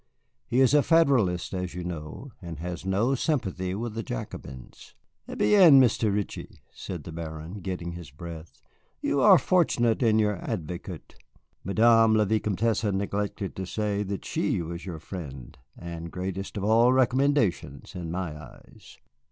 He is a Federalist, as you know, and has no sympathy with the Jacobins." "Eh bien, Mr. Ritchie," said the Baron, getting his breath, "you are fortunate in your advocate. Madame la Vicomtesse neglected to say that she was your friend, the greatest of all recommendations in my eyes."